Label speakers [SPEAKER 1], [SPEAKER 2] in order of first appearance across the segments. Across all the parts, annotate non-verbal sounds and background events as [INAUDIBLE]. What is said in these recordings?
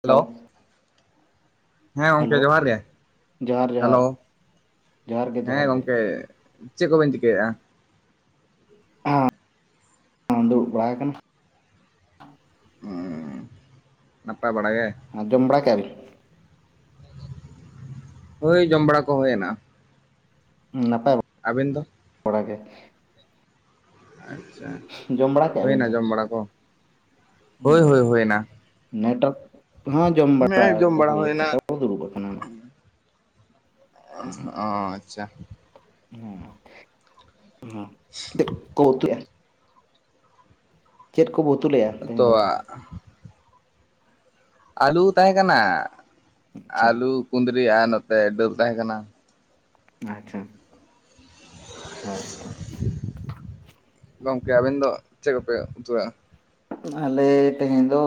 [SPEAKER 1] Hello ᱦᱮᱸ ᱜᱚᱢᱠᱮ
[SPEAKER 2] hello
[SPEAKER 1] ᱡᱚᱦᱟᱨ ᱜᱮ
[SPEAKER 2] ᱡᱚᱦᱟᱨ
[SPEAKER 1] ᱾
[SPEAKER 2] ᱡᱚᱦᱟᱨ
[SPEAKER 1] ᱦᱮᱞᱳ
[SPEAKER 2] ᱡᱚᱦᱟᱨ ᱜᱮ
[SPEAKER 1] ᱦᱮᱸ
[SPEAKER 2] ᱡᱚᱦᱟᱨ ᱜᱮ ᱾
[SPEAKER 1] ᱜᱚᱝᱠᱮ ᱪᱮᱫ ᱠᱚᱵᱮᱱ ᱪᱤᱠᱟᱹᱭᱮᱼᱟ ᱾
[SPEAKER 2] ᱚᱦ ᱫᱩᱲᱩᱵ ᱵᱟᱲᱟ ᱠᱟᱱᱟ ᱾
[SPEAKER 1] ᱦᱩᱼ ᱱᱟᱯᱟᱭ ᱵᱟᱲᱟ ᱜᱮ ᱾
[SPEAKER 2] ᱡᱚᱢ ᱵᱟᱲᱟ ᱠᱮᱜᱼᱟ ᱵᱤᱱ?
[SPEAKER 1] ᱦᱳᱭ ᱡᱚᱢ ᱵᱟᱲᱟ ᱠᱚ ᱦᱩᱭᱱᱟ ᱾
[SPEAKER 2] ᱱᱟᱯᱟᱭ ᱵᱟᱼᱼ
[SPEAKER 1] ᱟᱵᱮᱱ ᱫᱚ?
[SPEAKER 2] ᱚᱲᱟᱜ ᱜᱮ ᱾
[SPEAKER 1] [INAUDIBLE]
[SPEAKER 2] ᱡᱚᱢ ᱵᱟᱲᱟ ᱠᱮᱫᱼᱟ ᱵᱤᱱ
[SPEAKER 1] ᱦᱩᱭᱱᱟ
[SPEAKER 2] ᱪᱮ?
[SPEAKER 1] ᱡᱚᱢ ᱵᱟᱲᱟ ᱠᱚᱼᱼ
[SPEAKER 2] ᱟᱪᱪᱷᱟ ᱱᱮᱴᱚᱠ ᱦᱚᱸ ᱡᱚᱢ ᱵᱟᱲᱟ
[SPEAKER 1] ᱦᱮᱸ ᱡᱚᱢ
[SPEAKER 2] ᱠᱚ
[SPEAKER 1] ᱵᱟᱲᱟ
[SPEAKER 2] ᱦᱩᱭ
[SPEAKER 1] ᱦᱩᱭᱱᱟ
[SPEAKER 2] ᱠᱟᱫᱟ ᱾ ᱠᱚ ᱫᱩᱲᱩᱵ ᱟᱠᱟᱱᱟ ᱾
[SPEAKER 1] ᱚ ᱟᱪᱪᱷᱟ ᱾
[SPEAKER 2] ᱦᱮᱸ ᱪᱮᱫ ᱠᱚ ᱩᱛᱩ ᱮᱫ? ᱪᱮᱫ ᱠᱚᱵᱚ ᱩᱛᱩ ᱞᱮᱭᱟ
[SPEAKER 1] ᱛᱚᱣᱟ ᱾ ᱟᱞᱩ ᱛᱟᱦᱮᱸ ᱠᱟᱱᱟ,
[SPEAKER 2] ᱟᱪᱪᱷᱟ
[SPEAKER 1] ᱟᱞᱩ ᱠᱩᱸᱫᱽᱨᱤ ᱟᱨ ᱱᱚᱛᱮ ᱰᱟᱹᱞ ᱛᱟᱦᱮᱸ ᱠᱟᱱᱟ ᱾
[SPEAKER 2] ᱟᱪᱪᱷᱟ ᱾
[SPEAKER 1] [UNINTELLIGIBLE] ᱜᱚᱝᱠᱮ ᱟᱵᱮᱱ ᱫᱚ ᱪᱮᱫ ᱠᱚᱯᱮ ᱩᱛᱩ ᱞᱮᱜᱼᱟ?
[SPEAKER 2] ᱟᱞᱮ ᱛᱮᱦᱮᱧ ᱫᱚ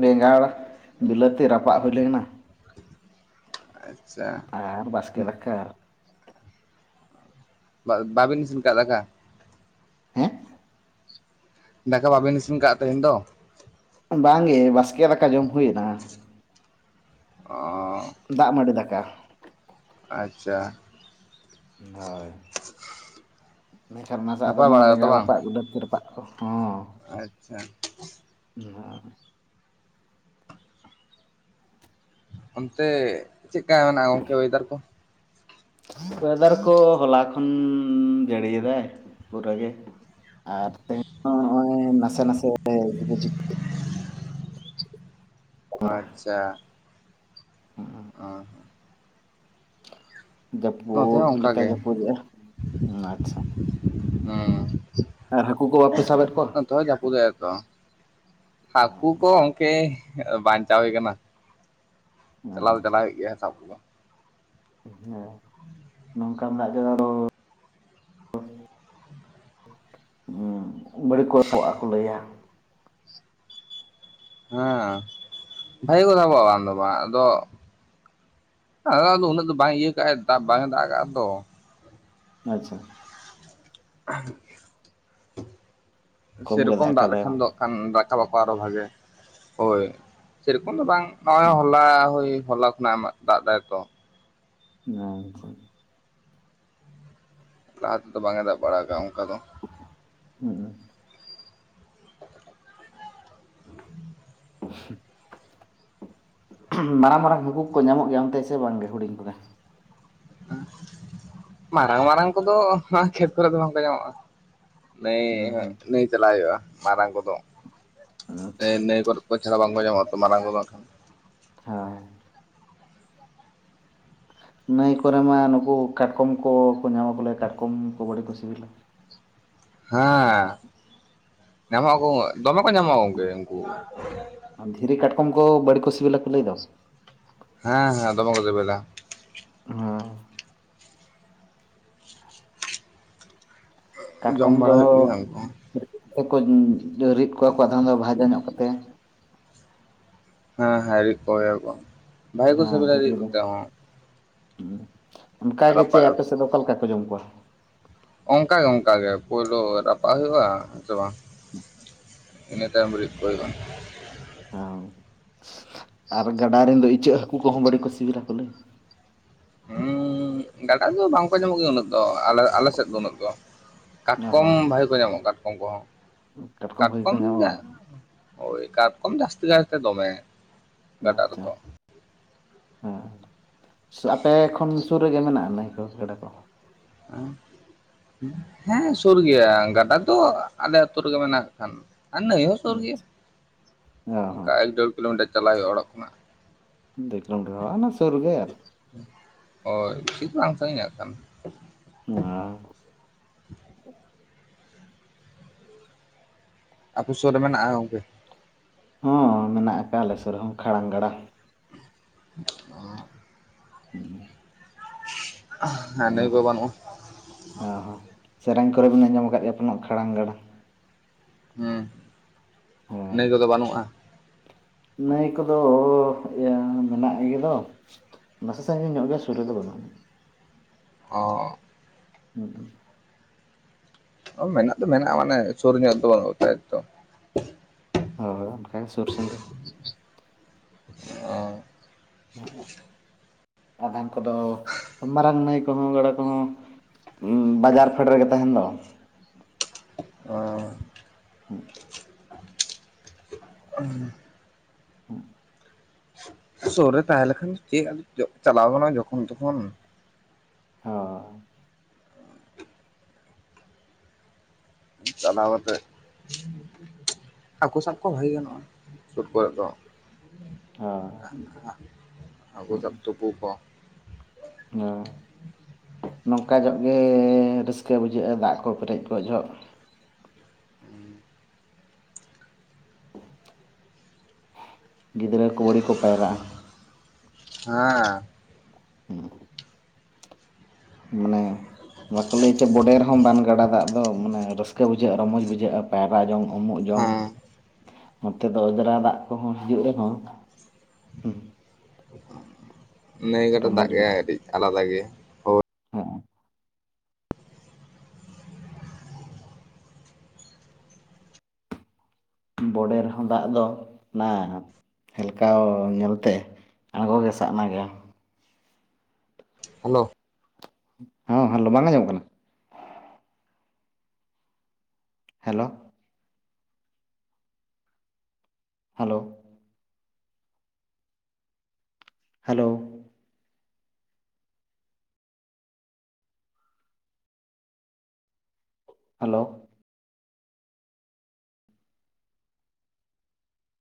[SPEAKER 2] ᱵᱮᱸᱜᱟᱲ ᱵᱤᱞᱟᱹᱛᱤ ᱨᱟᱯᱟᱜ ᱦᱩᱭ ᱞᱮᱱᱟ ᱾
[SPEAKER 1] ᱟᱪᱪᱷᱟ ᱾
[SPEAKER 2] ᱟᱨ ᱵᱟᱥᱠᱮ ᱫᱟᱠᱟ ᱾
[SPEAKER 1] ᱵᱟᱵᱤᱱ ᱤᱥᱤᱱ ᱟᱠᱟᱫᱟ ᱫᱟᱠᱟ?
[SPEAKER 2] ᱦᱮᱸ
[SPEAKER 1] ᱫᱟᱠᱟ ᱵᱟᱹᱵᱤᱱ ᱤᱥᱤᱱ ᱠᱟᱜᱟ ᱛᱮᱦᱮᱧ ᱫᱚ?
[SPEAKER 2] ᱵᱟᱝᱜᱮ ᱵᱟᱥᱠᱮ ᱫᱟᱠᱟ ᱡᱚᱢ ᱦᱩᱭᱱᱟ ᱾
[SPEAKER 1] ᱚ
[SPEAKER 2] ᱫᱟᱜ ᱢᱟᱺᱰᱤ ᱫᱟᱠᱟ ᱾
[SPEAKER 1] ᱟᱪᱪᱷᱟ ᱾
[SPEAKER 2] ᱦᱚᱭ ᱢᱮᱱᱠᱷᱟᱱ ᱚᱱᱟᱥᱟᱜ ᱫᱚ
[SPEAKER 1] ᱱᱟᱯᱟᱭ
[SPEAKER 2] ᱚᱱᱟ
[SPEAKER 1] ᱵᱟᱲᱟ ᱜᱮᱛᱚ
[SPEAKER 2] ᱵᱮᱸᱜᱟᱲ
[SPEAKER 1] ᱵᱟᱝ?
[SPEAKER 2] ᱨᱟᱯᱟᱜ ᱵᱤᱞᱟᱹᱛᱤ ᱨᱟᱯᱟᱜ ᱠᱚ ᱦᱚᱸᱼᱼ
[SPEAKER 1] ᱟᱪᱪᱷᱟ ᱾
[SPEAKER 2] ᱦ [UNINTELLIGIBLE]
[SPEAKER 1] ᱚᱱᱛᱮ ᱪᱮᱫᱠᱟ ᱢᱮᱱᱟᱜᱼᱟ ᱜᱚᱝᱠᱮ ᱚᱭᱮᱫᱟᱨ ᱠᱚ?
[SPEAKER 2] ᱚᱭᱮᱫᱟᱨ ᱠᱚ ᱦᱚᱞᱟ ᱠᱷᱚᱱ ᱡᱟᱹᱲᱤᱭᱮᱫᱟᱭ ᱯᱩᱨᱟᱹ ᱜᱮ ᱾ ᱟᱨ ᱛᱮᱦᱮᱧ ᱦᱚᱸ ᱱᱚᱜᱼᱚᱭ ᱱᱟᱥᱮ ᱱᱟᱥᱮᱼᱼ ᱵᱡ [UNINTELLIGIBLE]
[SPEAKER 1] ᱟᱪᱪᱷᱟ ᱾ ᱚ
[SPEAKER 2] ᱡᱟᱹᱯᱩᱫ
[SPEAKER 1] ᱦᱚᱸ ᱚᱱᱠᱟ
[SPEAKER 2] ᱞᱮᱠᱟᱭ
[SPEAKER 1] ᱜᱮ
[SPEAKER 2] ᱡᱟᱹᱯᱩᱫᱮᱜ-ᱟ, ᱟᱪᱪᱷᱟ ᱾
[SPEAKER 1] ᱦᱩᱸ,
[SPEAKER 2] ᱦᱟᱹᱠᱩ ᱠᱚ ᱵᱟᱯᱮ ᱥᱟᱵᱮᱫ ᱠᱚᱣᱟ
[SPEAKER 1] ᱱᱚᱛᱮ ᱦᱚᱭ ᱡᱟᱹᱯᱤᱫ ᱮᱛᱚᱼᱼ ᱦᱟᱹᱠᱩ ᱠᱚ ᱜᱚᱢᱠᱮ ᱠᱮ ᱵᱟᱧᱪᱟᱣ ᱦᱩᱭ ᱠᱟᱱᱟ᱾ ᱪᱟᱞᱟᱣ ᱫᱚ
[SPEAKER 2] ᱟᱪᱪᱷᱟ
[SPEAKER 1] ᱪᱟᱞᱟᱣ ᱦᱩᱭᱩᱜ ᱜᱮᱭᱟ ᱥᱟᱵ ᱠᱚ ᱫᱚ᱾
[SPEAKER 2] [UNINTELLIGIBLE] ᱱᱚᱝᱠᱟ [UNINTELLIGIBLE] ᱵᱟᱹᱲᱤᱡ ᱠᱚ ᱥᱚᱜ ᱟᱠᱚ ᱞᱟᱹᱭᱟ᱾
[SPEAKER 1] ᱦᱮᱸ ᱵᱷᱟᱜᱤ ᱠᱚ ᱥᱟᱵ ᱟᱠᱚ ᱵᱟᱝ ᱫᱚ ᱵᱟᱝ ᱟᱫᱚ ᱟᱫᱚ ᱫᱚ ᱩᱱᱟᱹᱜ ᱫᱚ ᱵᱟᱝᱟᱭ ᱤᱭᱟᱹ ᱠᱟᱜᱼᱟ ᱫᱟᱜ ᱵᱟᱝᱟᱭ ᱫᱟᱜ ᱠᱟᱜᱼᱟ ᱛᱚ
[SPEAKER 2] ᱟᱪᱪᱷᱟ᱾
[SPEAKER 1] [UNINTELLIGIBLE]
[SPEAKER 2] ᱠᱚᱢ ᱜᱮ
[SPEAKER 1] ᱥᱮᱨᱚᱠᱚᱢ ᱫᱟᱜ
[SPEAKER 2] ᱠᱟᱫᱟᱭ
[SPEAKER 1] ᱞᱮᱠᱷᱟᱱ
[SPEAKER 2] ᱵᱟᱝ
[SPEAKER 1] ᱫᱚ ᱨᱟᱠᱟᱵ ᱟᱠᱚ ᱟᱨᱚ ᱵᱷᱟᱜᱮ ᱦᱳᱭ ᱥᱮᱨᱚᱠᱚᱢ ᱫᱚ ᱵᱟᱝ, ᱱᱚᱜᱼᱚᱭ ᱦᱚᱞᱟ ᱦᱳᱭ ᱦᱚᱞᱟ ᱠᱷᱚᱱᱟᱜ ᱮᱢᱟᱜ ᱫᱟᱜ ᱫᱟᱭᱛᱚ᱾
[SPEAKER 2] ᱟᱪᱪᱷᱟ᱾
[SPEAKER 1] ᱞᱟᱦᱟ ᱛᱮᱫᱚ ᱵᱟᱝ ᱮ ᱫᱟᱜ ᱵᱟᱲᱟ ᱟᱠᱟᱜ-ᱟ ᱚᱱᱠᱟ ᱫᱚ᱾
[SPEAKER 2] [UNINTELLIGIBLE] ᱢᱟᱨᱟᱝ ᱢᱟᱨᱟᱝ ᱦᱟᱠᱩ ᱠᱚ ᱧᱟᱢᱚᱜ ᱜᱮᱭᱟ ᱚᱱᱛᱮ ᱥᱮ ᱵᱟᱝ ᱜᱮ ᱦᱩᱰᱤᱧ ᱠᱚᱫᱚ?
[SPEAKER 1] ᱢᱟᱨᱟᱝ ᱢᱟᱨᱟᱝ ᱠᱚᱫᱚ ᱠᱷᱮᱛ ᱠᱚᱨᱮ ᱫᱚ ᱵᱟᱝᱠᱚ ᱧᱟᱢᱚᱜᱼᱟ᱾ ᱱᱟᱹᱭ
[SPEAKER 2] ᱦᱩᱸ ᱦᱩᱸ
[SPEAKER 1] ᱱᱟᱹᱭ ᱪᱟᱞᱟᱜ ᱦᱩᱭᱩᱜᱼᱟ ᱢᱟᱨᱟᱝ ᱠᱚᱫᱚ,
[SPEAKER 2] ᱟᱪᱪᱷᱟ
[SPEAKER 1] ᱱᱟᱹᱭ ᱠᱚᱨᱮ ᱪᱷᱟᱲᱟ ᱵᱟᱝ ᱧᱟᱢᱚᱜᱼᱟ ᱛᱚ ᱢᱟᱨᱟᱝ ᱠᱚᱫᱚ ᱱᱟᱜ ᱠᱷᱟᱱ᱾
[SPEAKER 2] [UNINTELLIGIBLE] ᱱᱟᱹᱭ ᱠᱚᱨᱮ ᱢᱟ ᱱᱩᱠᱩ ᱠᱟᱴᱠᱚᱢ ᱠᱚᱠᱚ ᱧᱟᱢᱟᱚ ᱞᱟᱹᱭᱟ ᱠᱟᱴᱠᱚᱢ ᱠᱚ ᱟᱹᱰᱤ ᱠᱚ ᱥᱤᱵᱤᱞᱟ᱾
[SPEAKER 1] ᱦᱮᱸ ᱧᱟᱢᱚᱜ ᱟᱠᱩ ᱫᱚᱢᱮ ᱠᱚ ᱧᱟᱢᱚᱜ ᱜᱚᱝᱠᱮ ᱩᱱᱠᱩ᱾
[SPEAKER 2] ᱫᱷᱤᱨᱤ ᱠᱟᱴᱠᱚᱢ ᱠᱚ ᱵᱟᱹᱲ ᱠᱚ ᱥᱤᱵᱤᱞᱟ ᱠᱚ ᱞᱟᱹᱭ ᱫᱚ,
[SPEAKER 1] ᱦᱮᱸ ᱦᱮᱸ ᱫᱚᱢᱮ ᱠᱚ ᱥᱤᱵᱤᱞᱟ᱾
[SPEAKER 2] [UNINTELLIGIBLE] ᱠᱟᱴᱠᱚᱢ
[SPEAKER 1] ᱡᱚᱢ
[SPEAKER 2] ᱫᱚ
[SPEAKER 1] ᱵᱟᱲᱟ ᱦᱩᱭᱩᱜ ᱜᱮᱭᱟ ᱩᱱᱠᱩ ᱦᱚᱸ
[SPEAKER 2] ᱨᱤᱫ ᱠᱚ ᱨᱤᱫ ᱠᱚᱣᱟ ᱠᱚ ᱟᱫᱷᱚᱢ ᱫᱚ ᱵᱷᱟᱡᱟ ᱧᱚᱜ ᱠᱟᱛᱮ
[SPEAKER 1] ᱦᱮᱸᱦᱮᱸ ᱨᱤᱫ ᱠᱚ ᱜᱮᱭᱟ ᱠᱚ᱾
[SPEAKER 2] ᱦᱮᱸ
[SPEAKER 1] ᱥᱤᱵᱤᱞᱟ ᱨᱤᱫ
[SPEAKER 2] ᱫᱷᱤᱨᱤ ᱨᱮᱱ,
[SPEAKER 1] ᱠᱟᱛᱮ ᱦᱚᱸ
[SPEAKER 2] ᱚᱱᱠᱟᱜ ᱜᱮ ᱪᱮᱫ
[SPEAKER 1] ᱨᱟᱯᱟᱜ
[SPEAKER 2] ᱟᱯᱮ ᱥᱮᱫ ᱫᱚ ᱚᱠᱟ ᱞᱮᱠᱟ ᱯᱮ ᱡᱚᱢ ᱠᱚᱣᱟ?
[SPEAKER 1] ᱚᱱᱠᱟᱜᱮ ᱚᱱᱠᱟᱜᱮ ᱯᱳᱭᱞᱳ ᱨᱟᱯᱟᱜ ᱦᱩᱭᱩᱜᱼᱟ, ᱥᱮ ᱵᱟᱝ ᱤᱱᱟᱹ ᱛᱟᱭᱚᱢ ᱨᱤᱫ ᱠᱚ ᱦᱩᱭᱩᱜ-ᱟ ᱾
[SPEAKER 2] ᱦᱮᱸ ᱟᱨ ᱜᱟᱰᱟ ᱨᱮᱱ ᱫᱚ ᱤᱪᱟᱹᱜ ᱦᱟᱹᱠᱩ ᱠᱚᱦᱚᱸ ᱵᱟᱹᱲ ᱠᱚ ᱥᱤᱵᱤᱞᱟ ᱠᱚ ᱞᱟᱹᱭ,
[SPEAKER 1] ᱦᱩᱸ ᱜᱟᱰᱟ ᱫᱚ ᱵᱟᱝᱠᱚ ᱧᱟᱢᱚᱜ ᱜᱮᱭᱟ ᱩᱱᱟᱹᱜ ᱫᱚ ᱟᱞᱮ ᱟᱞᱮ ᱥᱮᱫ ᱫᱚ ᱩᱱᱟᱹᱜ ᱫᱚ᱾
[SPEAKER 2] ᱚ
[SPEAKER 1] ᱠᱟᱴᱠᱚᱢ
[SPEAKER 2] ᱦᱚᱸ
[SPEAKER 1] ᱵᱷᱟᱜᱮ ᱠᱚ ᱧᱟᱢᱚᱜᱼᱟ ᱠᱟᱴᱠᱚᱢ ᱠᱚᱦᱚᱸ,
[SPEAKER 2] ᱵᱷᱟᱹᱜᱤ ᱠᱚ
[SPEAKER 1] ᱠᱟᱴᱠᱚᱢ
[SPEAKER 2] ᱧᱟᱢᱟ ᱵᱟᱝ
[SPEAKER 1] ᱳᱭ ᱠᱟᱴᱠᱚᱢ ᱡᱟᱹᱥᱛᱤ ᱠᱟᱭ ᱛᱮ ᱫᱚᱢᱮ᱾ ᱜᱟᱰᱟ
[SPEAKER 2] ᱟᱪᱪᱷᱟ᱾
[SPEAKER 1] ᱨᱮᱫᱚ
[SPEAKER 2] ᱟᱯᱮ ᱠᱷᱚᱱ ᱥᱩᱨ ᱨᱮᱜᱮ ᱢᱮᱱᱟᱜᱼᱟ ᱱᱟᱭ ᱠᱚ ᱜᱮᱰᱟ ᱠᱚ?
[SPEAKER 1] [UNINTELLIGIBLE] ᱦᱮᱸ ᱥᱩᱨ ᱜᱮᱭᱟ ᱜᱟᱰᱟ ᱫᱚ ᱟᱞᱮ ᱟᱛᱩ ᱨᱮᱜᱮ ᱢᱮᱱᱟᱜ ᱟᱠᱷᱟᱱ᱾ ᱟᱨ ᱱᱟᱹᱭ ᱦᱚᱸ ᱥᱩᱨ ᱜᱮᱭᱟ
[SPEAKER 2] ᱚ ᱦᱚᱸ
[SPEAKER 1] ᱚᱱᱠᱟ ᱮᱠ ᱰᱮᱲ ᱠᱤᱞᱳᱢᱤᱴᱟᱨ ᱪᱟᱞᱟᱜ ᱦᱩᱭᱩᱜᱼᱟ ᱚᱲᱟᱜ ᱠᱷᱚᱱᱟᱜ᱾
[SPEAKER 2] ᱫᱮᱲ ᱠᱤᱞᱳᱢᱤᱴᱟᱨ ᱥᱩᱨ ᱜᱮ
[SPEAKER 1] ᱦᱳᱭ ᱵᱤᱥᱤ ᱫᱚ ᱵᱟᱝ ᱥᱟᱺᱜᱤᱧ-ᱟ ᱠᱷᱟᱱ᱾
[SPEAKER 2] ᱟᱻ
[SPEAKER 1] ᱟᱯᱮ ᱥᱳᱨ ᱨᱮ ᱢᱮᱱᱟᱜ-ᱟ ᱜᱚᱝᱠᱮ?
[SPEAKER 2] ᱦᱚᱸ ᱢᱮᱱᱟᱜ ᱟᱠᱟᱫ ᱟᱞᱮ ᱥᱳᱨ ᱨᱮᱦᱚᱸ ᱠᱷᱟᱲᱟᱝ ᱜᱟᱰᱟ᱾
[SPEAKER 1] [UNINTELLIGIBLE]
[SPEAKER 2] [UNINTELLIGIBLE]
[SPEAKER 1] ᱦᱟᱸᱰᱮ ᱜᱳ ᱵᱟᱹᱱᱩᱜ-ᱟ
[SPEAKER 2] ᱚ ᱦᱚᱸ ᱥᱮᱨᱮᱧ ᱠᱚ ᱨᱮ ᱵᱤᱱ ᱟᱸᱡᱚᱢ ᱟᱠᱟᱫ ᱜᱮᱭᱟ [UNINTELLIGIBLE] ᱠᱷᱟᱲᱟᱝ ᱜᱟᱰᱟᱼᱼ
[SPEAKER 1] ᱦᱩᱸ
[SPEAKER 2] ᱦᱳᱭ
[SPEAKER 1] ᱱᱟᱹᱭ ᱠᱚ ᱫᱚ ᱵᱟᱹᱱᱩᱜ-ᱟ
[SPEAKER 2] ᱱᱟᱹᱭ ᱠᱚ ᱫᱚ ᱚᱻ ᱤᱭᱟᱹ ᱢᱮᱱᱟᱜ ᱜᱮᱫᱚ ᱱᱟᱥᱮ ᱥᱟᱺᱜᱤᱧ ᱧᱚᱜ ᱜᱮᱭᱟ ᱥᱩᱨ ᱨᱮ ᱫᱚ ᱵᱟᱹᱱᱩᱜ ᱟᱹᱱᱤᱡ
[SPEAKER 1] ᱚᱻ
[SPEAKER 2] [UNINTELLIGIBLE]
[SPEAKER 1] ᱚ ᱢᱮᱱᱟᱜ ᱫᱚ ᱢᱮᱱᱟᱜ-ᱟ ᱢᱟᱱᱮ ᱥᱩᱨ ᱧᱚᱜ ᱨᱮ ᱫᱚ ᱵᱟᱹᱱᱩᱜ-ᱟ ᱛᱟᱭᱛᱚ
[SPEAKER 2] ᱦᱳᱭ ᱚᱱᱠᱟ ᱜᱮ ᱥᱩᱨ ᱥᱟᱺᱜᱤᱧᱼᱼ
[SPEAKER 1] ᱦᱮᱸ
[SPEAKER 2] ᱟᱫᱷᱟᱱ ᱠᱚ ᱫᱚ ᱢᱟᱨᱟᱝ ᱱᱟᱹᱭ [UNINTELLIGIBLE] ᱜᱟᱰᱟ ᱠᱚᱦᱚᱸ ᱩᱸ ᱵᱟᱡᱟᱨ ᱯᱷᱮᱰ ᱨᱮᱜᱮ ᱛᱟᱦᱮᱸᱱ ᱫᱚᱼᱼ
[SPEAKER 1] ᱚᱻ
[SPEAKER 2] ᱦᱩᱸ
[SPEAKER 1] [UNINTELLIGIBLE]
[SPEAKER 2] ᱦᱩᱸ
[SPEAKER 1] ᱥᱳᱨ ᱨᱮ ᱛᱟᱦᱮᱸ ᱞᱮᱠᱷᱟᱱ ᱪᱮᱫ ᱟᱫᱚ ᱪᱟᱞᱟᱣ ᱜᱟᱱᱚᱜ-ᱟ ᱡᱚᱠᱷᱚᱱ ᱛᱚᱠᱷᱚᱱᱼᱼ
[SPEAKER 2] [UNINTELLIGIBLE]
[SPEAKER 1] ᱪᱟᱞᱟᱣ ᱟᱛᱮᱫᱼᱼ ᱦᱟᱹᱠᱩ ᱥᱟᱵ ᱠᱚ ᱵᱷᱟᱹᱜᱮ ᱜᱟᱱᱚᱜ-ᱟ ᱥᱩᱨ ᱠᱚ ᱨᱮ ᱫᱚᱼᱼ ᱟ-ᱟ
[SPEAKER 2] ᱦᱳᱭ
[SPEAKER 1] ᱦᱟᱹᱠᱩ ᱥᱟᱵ ᱛᱩᱯᱩ ᱠᱚᱼᱼ
[SPEAKER 2] ᱦᱮᱸ ᱱᱚᱝᱠᱟ ᱧᱚᱜ ᱜᱮᱻ ᱨᱟᱹᱥᱠᱟᱹ ᱵᱩᱡᱷᱟᱹᱜ-ᱟ ᱫᱟᱜ ᱠᱚ ᱯᱮᱨᱮᱡ ᱠᱚᱜ ᱡᱚᱦᱚᱜ [UNINTELLIGIBLE] ᱜᱤᱫᱽᱨᱟᱹ ᱠᱚ ᱵᱟ. ᱲᱤᱡ ᱠᱚ ᱯᱟᱭᱨᱟᱜ-ᱟ
[SPEAKER 1] ᱦᱮᱸᱻ
[SPEAKER 2] ᱦᱩᱸ ᱢᱟᱱᱮ ᱵᱟᱠᱚ ᱞᱟᱹᱭ ᱛᱮ ᱵᱚᱰᱮ ᱨᱮᱦᱚᱸ ᱵᱟᱱ ᱜᱟᱰᱟ ᱫᱟᱜ ᱫᱚ ᱢᱟᱱᱮ ᱨᱟᱹᱥᱠᱟᱹ ᱵᱩᱡᱷᱟᱹᱜ-ᱟ ᱨᱚᱢᱚᱡᱽ ᱵᱩᱡᱷᱟᱹᱜ-ᱟ ᱯᱟᱭᱨᱟ ᱡᱚᱝ ᱩᱢᱩᱜ ᱡᱚᱝᱼᱼ
[SPEAKER 1] ᱦᱮᱸ
[SPEAKER 2] ᱱᱚᱛᱮ ᱫᱚ ᱚᱡᱽᱨᱟ ᱫᱟᱜ ᱠᱚ ᱦᱚᱸ ᱦᱤᱡᱩᱜ ᱨᱮᱦᱚᱸ
[SPEAKER 1] ᱱᱟᱹᱭ ᱜᱟᱰᱟ ᱫᱟᱜ ᱜᱮ ᱟᱹᱰᱤᱡ ᱟᱞᱟᱫᱟ ᱜᱮᱭᱟ ᱦᱳᱭ
[SPEAKER 2] ᱦᱚᱜ-ᱚ ᱵᱚᱰᱮ ᱨᱮ ᱦᱚᱸ ᱫᱟᱜ ᱫᱚ ᱱᱟᱼᱼ ᱦᱮᱞᱠᱟᱣ ᱧᱮᱞ ᱛᱮ ᱟᱲᱜᱚ ᱜᱮ ᱥᱟᱜᱱᱟ ᱜᱮᱭᱟ
[SPEAKER 1] ᱦᱮᱞᱳ
[SPEAKER 2] ᱦᱚᱸ ᱦᱮᱞᱳ ᱵᱟᱝ ᱟᱸᱡᱚᱢᱚᱜ ᱠᱟᱱᱟ? Hello hello hello hello